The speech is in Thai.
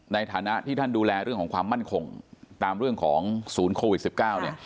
ในฐานะที่ท่านดูแลเรื่องของความมั่นคงตามเรื่องของศูนย์โควิด๑๙เนี่ย